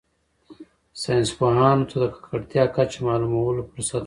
ساینس پوهانو ته د ککړتیا کچه معلومولو فرصت ورکوي